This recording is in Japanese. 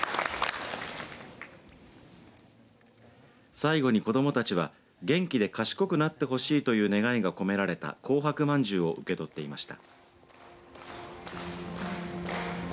最後に子どもたちは元気で賢くなってほしいという願いが込められた紅白まんじゅうを受け取っていました。